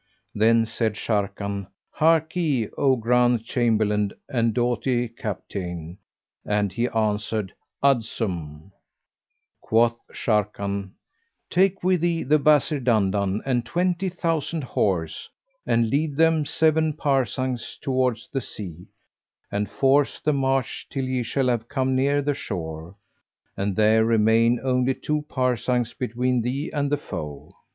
Then said Sharrkan, "Harkye, O grand Chamberlain and doughty Capitayne!" and he answered, "Adsum!"[FN#397] Quoth Sharrkan, "Take with thee the Wazir Dandan and twenty thousand horse, and lead them seven parasangs towards the sea, and force the march till ye shall have come near the shore, and there remain only two parasangs between thee and the foe.